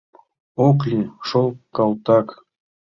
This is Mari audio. Ок лий шол, калтак!